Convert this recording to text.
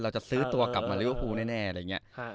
เราจะซื้อตัวกลับมาลิเวอร์ฟูลแน่อะไรอย่างนี้